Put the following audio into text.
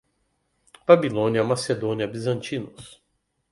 Babilônia, Macedônia, bizantinos